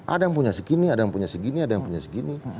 ada yang punya segini ada yang punya segini ada yang punya segini